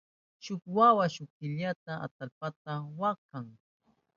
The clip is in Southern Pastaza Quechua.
Shuk wawa shunkillaka atallpata waktan.